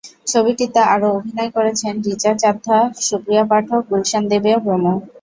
ছবিটিতে আরও অভিনয় করেছেন রিচা চাদ্ধা, সুপ্রিয়া পাঠক, গুলশান দেবিয়া প্রমুখ।